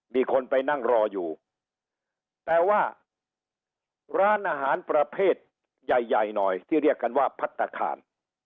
มีคนไปนั่งรออยู่แต่ว่าร้านอาหารประเภทใหญ่ใหญ่หน่อยที่เรียกกันว่าพัฒนาคาร